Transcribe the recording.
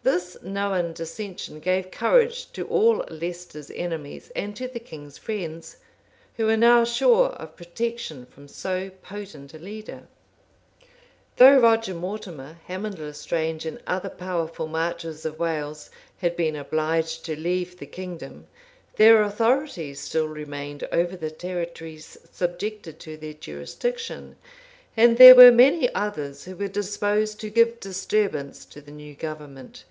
[] This known dissension gave courage to all Leicester's enemies and to the king's friends; who were now sure of protection from so potent a leader. * Chron. T. Wykes, p. 66. Ann. Waverl. p. 216. M. Paris, p. 671. Ann. Waverl. p. 211. Though Roger Mortimer, Hamond l'Estrange, and other powerful marchers of Wales, had been obliged to leave the kingdom, their authority still remained over the territories subjected to their jurisdiction; and there were many others who were disposed to give disturbance to the new government.